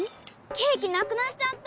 ケーキなくなっちゃった！